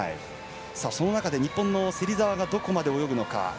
その中で日本の芹澤がどこまで泳ぐのか。